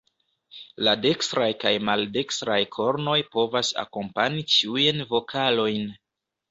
La dekstraj kaj maldekstraj kornoj povas akompani ĉiujn vokalojn.